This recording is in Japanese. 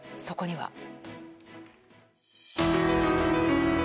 そこには。